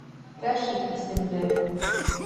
Рәшит исемле.